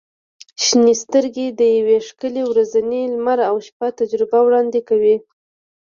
• شنې سترګې د یوې ښکلي ورځنۍ لمر او شپه تجربه وړاندې کوي.